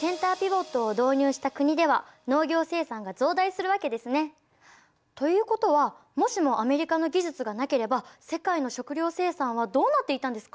センターピボットを導入した国では農業生産が増大するわけですね。ということはもしもアメリカの技術がなければ世界の食料生産はどうなっていたんですか？